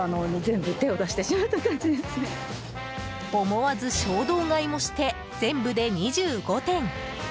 思わず衝動買いもして全部で２５点。